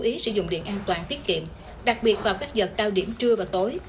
ý sử dụng điện an toàn tiết kiệm đặc biệt vào các giờ cao điểm trưa và tối